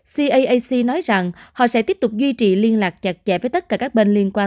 cac nói rằng họ sẽ tiếp tục duy trì liên lạc chặt chẽ với tất cả các bên liên quan